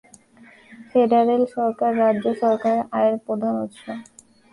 Federal সরকার রাজ্য সরকারের আয়ের প্রধান উৎস।